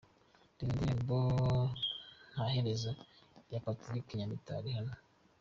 Reba Indirimbo Ntaherezo ya Patrick Nyamitali hano :.